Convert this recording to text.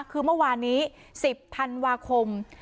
คือเมื่อวานนี้๑๐ธันวาคม